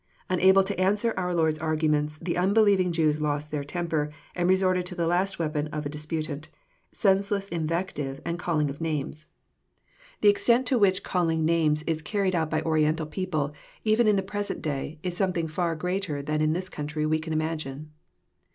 Unable to answer our Lord's arguments, the unbeliev ing Jews lost their temper, and resorted to the last weapon of a disputant, — senseless invective and calling of names. The n 126 EXIOSITOBY THOUGHTS. extent to which calliDg names is carried by Oriental people, even in the present day, is something far greater than in this coun try we can imagine.